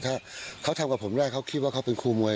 ถ้าเขาทำกับผมได้เขาคิดว่าเขาเป็นครูมวย